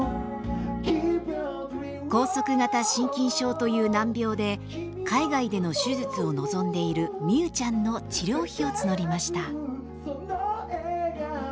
という難病で海外での手術を望んでいるみうちゃんの治療費を募りました。